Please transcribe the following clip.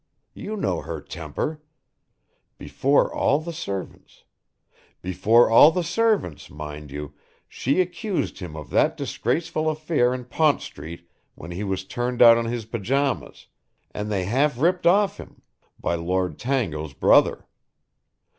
You know her temper. Before all the servants. Before all the servants, mind you, she accused him of that disgraceful affair in Pont Street when he was turned out in his pyjamas and they half ripped off him by Lord Tango's brother.